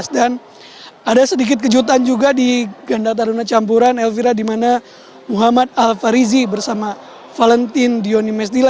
dan ada sedikit kejutan juga di gandar taruna campuran alfira dimana muhammad alfarizi bersama valentin diony mesdila